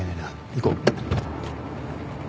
行こう